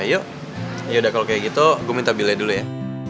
yuk yaudah kalau kayak gitu gue minta bila dulu ya